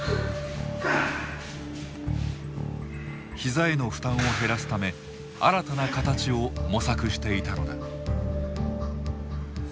膝への負担を減らすため新たな形を模索していたのだ。